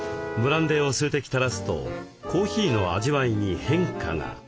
ブランデーを数滴たらすとコーヒーの味わいに変化が。